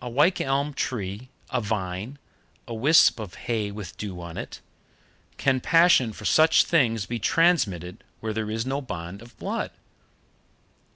A wych elm tree, a vine, a wisp of hay with dew on it can passion for such things be transmitted where there is no bond of blood?